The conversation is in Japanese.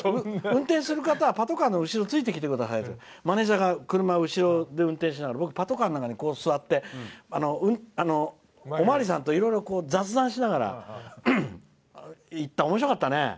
運転する方はパトカーの後ろついてきてくださいってマネージャーが車を後ろで運転しながら僕パトカーの中に座ってお巡りさんと雑談しながら行ったおもしろかったね。